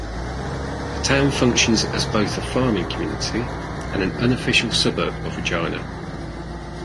The town functions as both a farming community and an unofficial suburb of Regina.